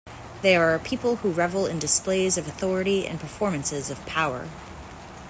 They are a people who revel in displays of authority and performances of power.